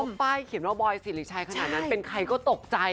ป้ายเขียนว่าบอยสิริชัยขนาดนั้นเป็นใครก็ตกใจ